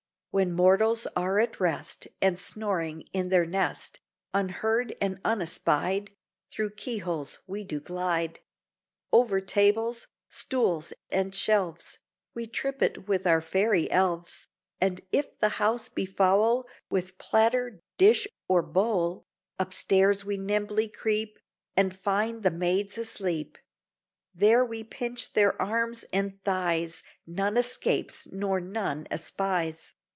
When mortals are at rest And snoring in their nest, Unheard and unespied, Through keyholes we do glide; Over tables, stools, and shelves, We trip it with our Fairy Elves. And if the house be foul With platter, dish, or bowl, Upstairs we nimbly creep, And find the maids asleep: There we pinch their arms and thighs; None escapes, nor none espies.